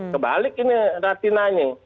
kebalik ini ratinanya